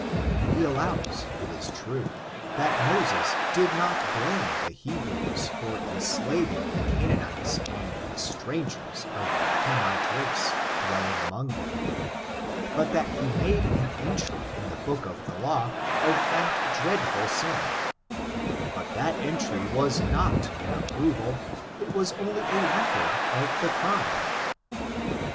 He allows, it is true, that Moses did not blame the Hebrews for enslaving the Canaanites and the stran gers of the Hamite race dwelling among them, but that he made an entry in the book of the law of that dreadful sin ; but that entry was not an approval — it was a record only of the crime.